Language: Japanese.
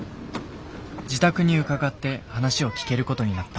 自宅に伺って話を聞けることになった。